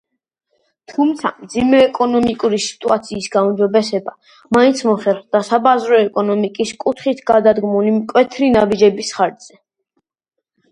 თუმცა მძიმე ეკონომიკური სიტუაციის გაუმჯობესება მაინც მოხერხდა საბაზრო ეკონომიკის კუთხით გადადგმული მკვეთრი ნაბიჯების ხარჯზე.